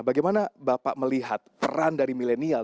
bagaimana bapak melihat peran dari milenial